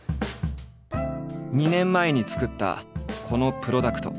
２年前に作ったこのプロダクト。